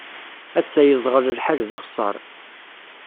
Ass-a, yeẓɣel lḥal d axeṣṣar.